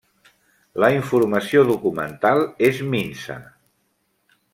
La informació documental és minsa.